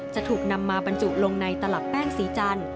จะถูกนำมาบรรจุลงในตลับแป้งสีจันทร์